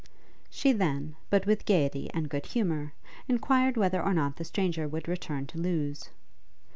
She then, but with gaiety and good humour, enquired whether or not the stranger would return to Lewes.